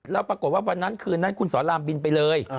แล้วปรากฏว่าวันนั้นคืนนั้นคุณสอนรามบินไปเลย